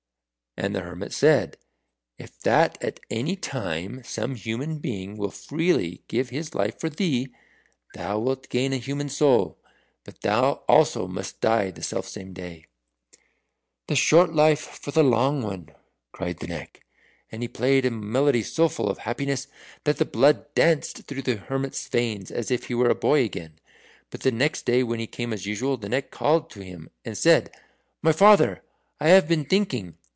And the hermit said, "If that at any time some human being will freely give his life for thee, thou wilt gain a human soul. But thou also must die the selfsame day." "The short life for the long one!" cried the Neck; and he played a melody so full of happiness that the blood danced through the hermit's veins as if he were a boy again. But the next day when he came as usual the Neck called to him and said, "My father, I have been thinking.